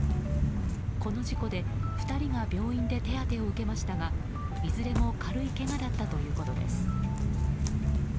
この事故で２人が病院で手当てを受けましたがいずれも軽いけがだったということです。